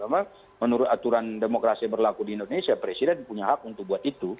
karena menurut aturan demokrasi yang berlaku di indonesia presiden punya hak untuk buat itu